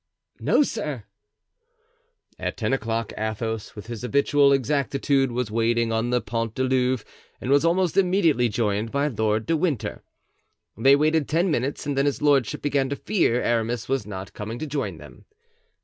"No, sir." At ten o'clock Athos, with his habitual exactitude, was waiting on the Pont du Louvre and was almost immediately joined by Lord de Winter. They waited ten minutes and then his lordship began to fear Aramis was not coming to join them.